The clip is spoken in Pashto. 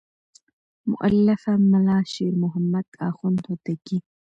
مؤلفه ملا شیر محمد اخوند هوتکی.